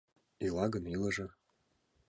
Ила гын, илыже.